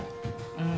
うん。